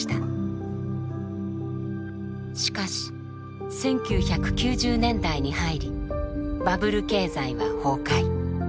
しかし１９９０年代に入りバブル経済は崩壊。